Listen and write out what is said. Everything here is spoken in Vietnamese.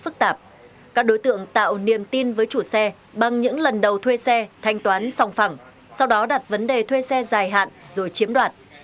các đối tượng tạo niềm tin với chủ xe bằng những lần đầu thuê xe thanh toán sòng phẳng sau đó đặt vấn đề thuê xe dài hạn rồi chiếm đoạt